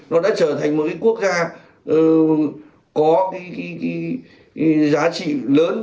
nó đã trở thành một quốc gia có giá trị lớn